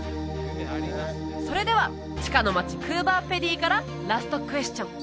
それでは地下の町クーバーペディからラストクエスチョン